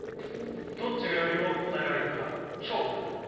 どっちがより多く答えられるか勝負だね！